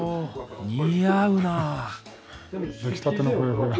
似合うなあ。